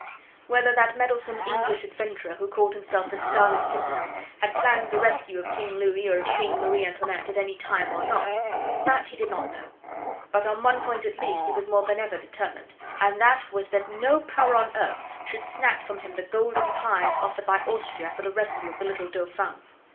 Whether that meddlesome English adventurer, who called himself the Scarlet Pimpernel, had planned the rescue of King Louis or of Queen Marie Antoinette at any time or not that he did not know; but on one point at least he was more than ever determined, and that was that no power on earth should snatch from him the golden prize offered by Austria for the rescue of the little Dauphin.